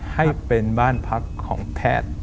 ให้เป็นบ้านพักของแพทย์